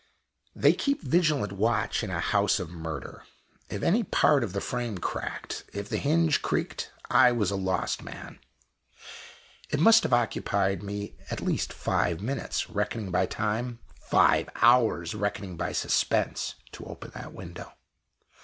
They keep vigilant watch in a House of Murder. If any part of the frame cracked, if the hinge creaked, I was a lost man! It must have occupied me at least five minutes, reckoning by time five hours, reckoning by suspense to open that window.